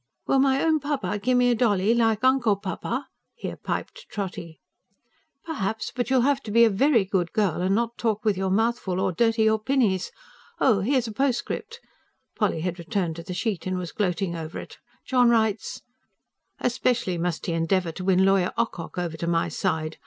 "Will my own papa gimme a dolly? ... like Uncle Papa?" here piped Trotty. "Perhaps. But you will have to be a VERY good girl, and not talk with your mouth full or dirty your pinnies. Oh, here's a postscript!" Polly had returned to the sheet, and was gloating over it. "John writes: "ESPECIALLY MUST HE ENDEAVOUR TO WIN LAWYER OCOCK OVER TO MY SIDE.